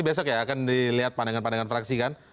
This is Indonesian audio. besok ya akan dilihat pandangan pandangan fraksi kan